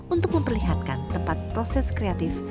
untuk memperlihatkan tempat proses kreatif